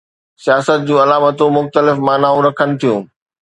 سياست جون علامتون مختلف معنائون رکن ٿيون.